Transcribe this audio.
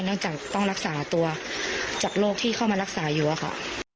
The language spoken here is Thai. จากต้องรักษาตัวจากโรคที่เข้ามารักษาอยู่อะค่ะ